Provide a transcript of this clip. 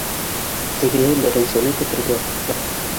Тегеһе беренсене көтөргә ҡушты